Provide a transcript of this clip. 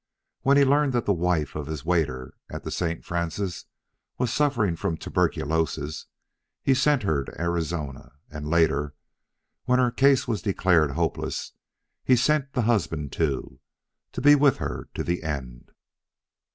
When he learned that the wife of his waiter at the St. Francis was suffering from tuberculosis, he sent her to Arizona, and later, when her case was declared hopeless, he sent the husband, too, to be with her to the end.